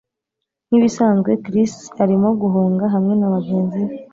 Nkibisanzwe, Chris arimo guhunga hamwe nabagenzi be.